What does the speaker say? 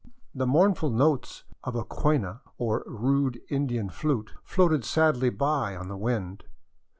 The mournful notes of a quena, or rude Indian flute, floated sadly by on the wind.